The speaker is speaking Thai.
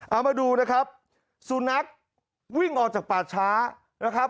เอามาดูนะครับสุนัขวิ่งออกจากป่าช้านะครับ